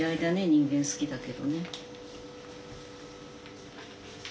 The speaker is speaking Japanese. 人間好きだけどね。